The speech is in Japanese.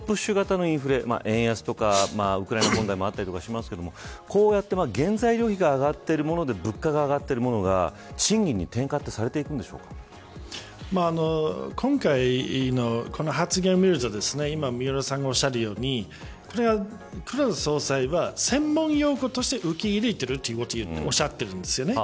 こういうコストプシュ型のインフレ円安とかウクライナ問題もあったりしますがこうやって原材料費が上がっているもので物価が上がっているものが賃金に転嫁って今回のこの発言を見ると今、三浦さんがおっしゃるようにこれは黒田総裁が専門用語として受け入れているとおっしゃっているんですね。